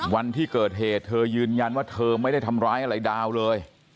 วันที่เกิดเหตุเธอยืนยันว่าเธอไม่ได้ทำร้ายอะไรดาวเลย